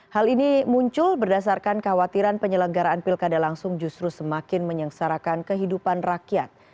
hal ini muncul berdasarkan kekhawatiran penyelenggaraan pilkada langsung justru semakin menyengsarakan kehidupan rakyat